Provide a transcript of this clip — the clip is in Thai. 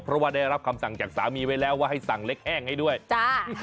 เพราะว่าได้รับคำสั่งจากสามีไว้แล้วว่าให้สั่งเล็กแห้งให้ด้วยจ้า